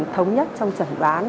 thống nhất trong trận bán